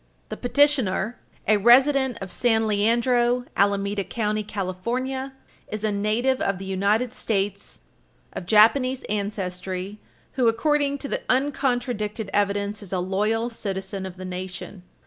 The petitioner, a resident of San Leandro, Alameda County, California, is a native of the United States of Japanese ancestry who, according to the uncontradicted evidence, is a loyal citizen of the nation.